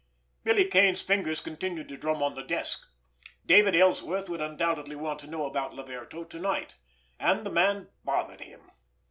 Billy Kane's fingers continued to drum on the desk. David Ellsworth would undoubtedly want to know about Laverto to night—and the man bothered him.